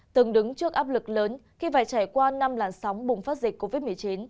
từng đứng trước áp lực lớn khi phải trải qua năm làn sóng bùng phát dịch covid một mươi chín